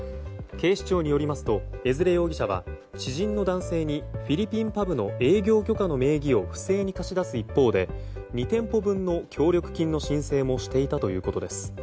警視庁によりますと江連容疑者は知人の男性にフィリピンパブの営業許可の名義を不正に貸し出す一方で２店舗分の協力金の申請もしていたということです。